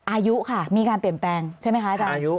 อายุค่ะมีการเปลี่ยนแปลงใช่ไหมคะอาจารย์